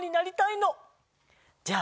じゃあ。